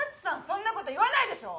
そんなこと言わないでしょ！